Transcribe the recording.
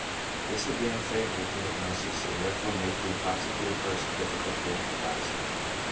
This would be unfavourable to hypnosis, and therefore make the intoxicated person difficult to hypnotize.